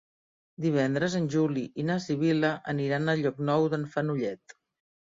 Divendres en Juli i na Sibil·la aniran a Llocnou d'en Fenollet.